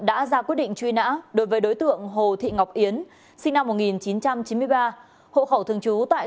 đã ra quyết định truy nã đối với đối tượng hồ thị ngọc yến sinh năm một nghìn chín trăm chín mươi ba hộ khẩu thường trú tại